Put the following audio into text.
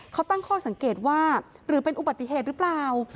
เขาตั้งข้อสังเกตว่าหรือเป็นอุบัติเหตุหรือเปล่า